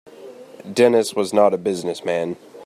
Dennis was not a business man.